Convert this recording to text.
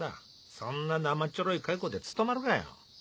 そんな生っちょろい覚悟で務まるかよ。